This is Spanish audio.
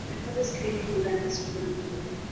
Dejó de escribir durante su juventud.